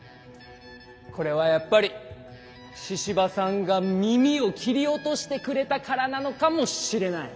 これはやっぱり神々さんが耳を切り落としてくれたからなのかもしれない。